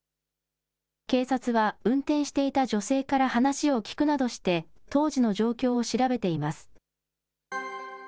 警察は運転していた女性から話を聴くなどして当時の状況を調べています。